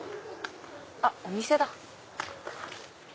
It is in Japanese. あっお店だ！